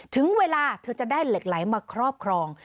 ถึงเวลาเธอจะได้เหล็กไหลมาครอบครอง